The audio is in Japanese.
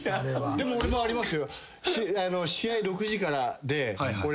でも俺もありますよ。